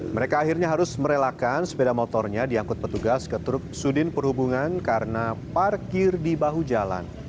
mereka akhirnya harus merelakan sepeda motornya diangkut petugas ke truk sudin perhubungan karena parkir di bahu jalan